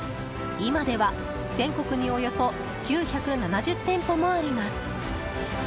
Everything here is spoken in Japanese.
今では全国におよそ９７０店舗もあります。